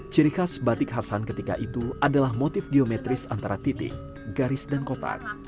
ciri khas batik khasan ketika itu adalah motif geometris antara titik garis dan kotak